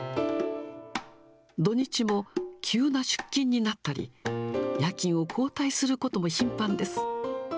土日も急な出勤になったり、夜勤を交代することも頻繁です。